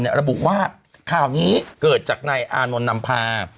ระบุว่าข่าวนี้เกิดจากนายอานนท์นำพา